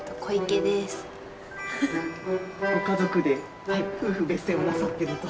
ご家族で夫婦別姓をなさってると。